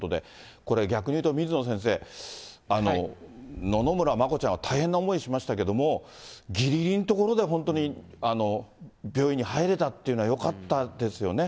これ逆に言うと、水野先生、野々村まこちゃんは大変な思いしましたけども、ぎりぎりのところで本当に病院に入れたっていうのはよかったです